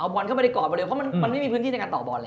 บอลเข้าไปในกรอบไปเลยเพราะมันไม่มีพื้นที่ในการต่อบอลเลย